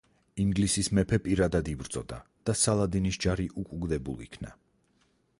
ინგლისის მეფე პირადად იბრძოდა და სალადინის ჯარი უკუგდებულ იქნა.